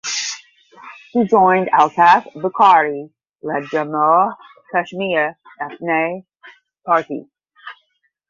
He joined Altaf Bukhari led Jammu and Kashmir Apni Party.